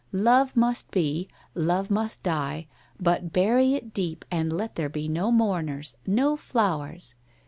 Love must be, love must die, but bury it deep, and let there be no mourners, no flowers."